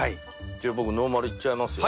じゃあ僕ノーマルいっちゃいますよ。